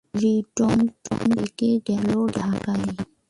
Written থেকে গেল ঢাকায়ই।